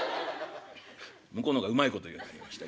向こうの方がうまいこと言うようになりましたけども。